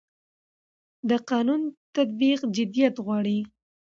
د قانون تطبیق جديت غواړي